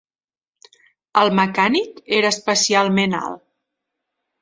El mecànic era especialment alt.